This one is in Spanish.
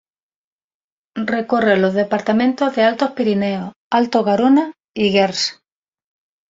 Recorre los departamentos de Altos Pirineos, Alto Garona y Gers.